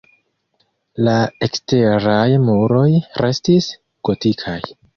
La eksteraj muroj restis gotikaj.